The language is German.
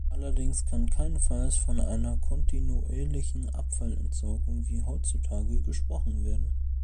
Allerdings kann keinesfalls von einer kontinuierlichen Abfallentsorgung wie heutzutage gesprochen werden.